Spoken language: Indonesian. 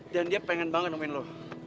dan dia pengen banget nemuin lo